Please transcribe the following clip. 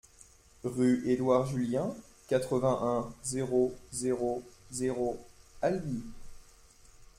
Rue Edouard Julien, quatre-vingt-un, zéro zéro zéro Albi